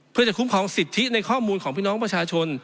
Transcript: เพื่อจะคุ้มครองสิทธิในข้อมูลของพี่น้องประชาชน